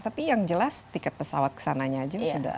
tapi yang jelas tiket pesawat kesananya aja sudah